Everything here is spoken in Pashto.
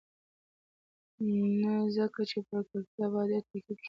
نه ځکه چې پر کلتوري ابعادو ډېر تاکید کېږي.